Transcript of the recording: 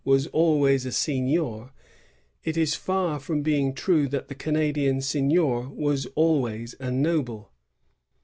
was always a seignior, it is far from being true that the Canadian seignior was always a noble.